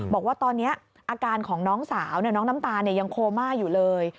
บอกว่าตอนนี้อาการของน้องสาวน้องน้ำตาลยังโคม่าอยู่เลย